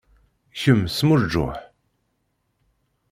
Kemm smurǧuḥ.